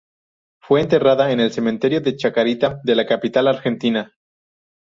Fue enterrada en el cementerio de Chacarita de la capital argentina.